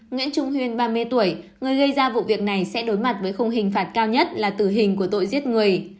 nguyễn trung huyên ba mươi tuổi người gây ra vụ việc này sẽ đối mặt với không hình phạt cao nhất là tử hình của tội giết người